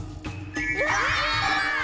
・うわ！